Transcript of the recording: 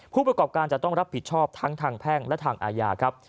ผู้ประกอบการจะต้องรับผิดชอบทั้งทางแพ่งและทางอาญาครับ